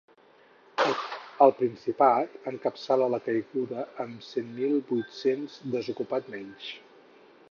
El Principat encapçala la caiguda amb cent mil vuit-cents desocupats menys.